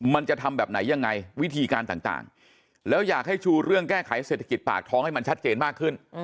มันจะทำแบบไหนยังไงวิธีการต่างแล้วอยากให้ชูเรื่องแก้ไขเศรษฐกิจปากท้องให้มันชัดเจนมากขึ้น